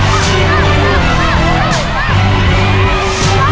เทียได้ลูก